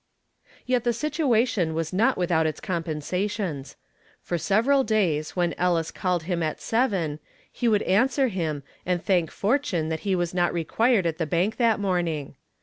Yet the situation was not without its compensations. For several days when Ellis called him at seven, he would answer him and thank fortune that he was not required at the bank that morning.